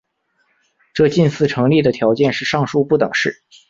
这近似成立的条件是上述不等式。